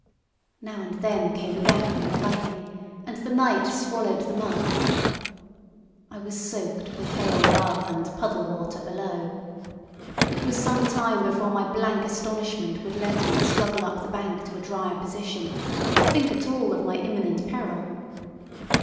Now and then came a gap in the lightning, and the night swallowed them up. I was soaked with hail above and puddle water below. It was some time before my blank astonishment would let me struggle up the bank to a drier position, or think at all of my imminent peril.